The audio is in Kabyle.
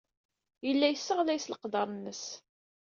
Yella yesseɣlay s leqder-nnes.